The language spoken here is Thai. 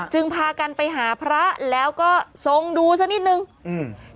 จึงพากันไปหาพระแล้วก็ทรงดูซะนิดหนึ่งอืม